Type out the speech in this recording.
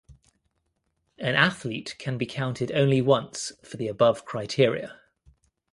An athlete can be counted only once for the above criteria.